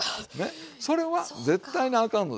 それは絶対にあかんのですよ。